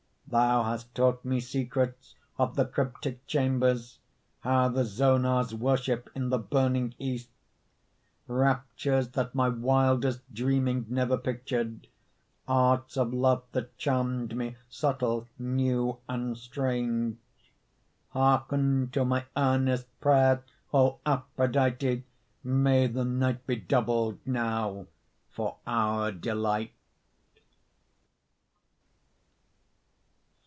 Thou hast taught me secrets Of the cryptic chambers, How the zonahs worship In the burning East; Raptures that my wildest Dreaming never pictured, Arts of love that charmed me, Subtle, new and strange. Hearken to my earnest Prayer, O Aphrodite! May the night be doubled Now for our delight.